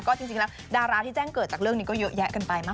ก็จริงแล้วดาราที่แจ้งเกิดจากเรื่องนี้ก็เยอะแยะกันไปมาก